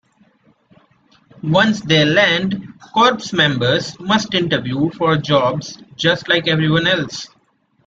Once they land, corps members must interview for jobs just like everyone else.